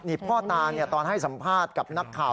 นี่พ่อตาตอนให้สัมภาษณ์กับนักข่าว